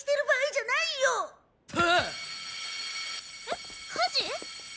えっ火事？